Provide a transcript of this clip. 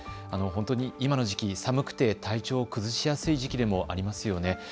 ほんとに今の時期、寒くて体調を崩しやすい時期でもありますよね。